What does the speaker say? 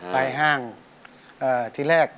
ไปห้างไปห้าง